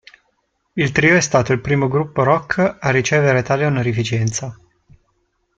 Il trio è stato il primo gruppo rock a ricevere tale onorificenza.